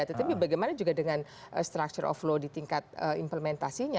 tetapi bagaimana juga dengan structure of law di tingkat implementasinya